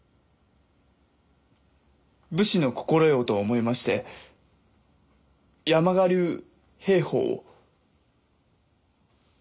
武士の心得をと思いまして「山鹿流兵法」を。